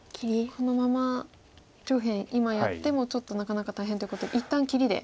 このまま上辺今やってもちょっとなかなか大変ということで一旦切りで。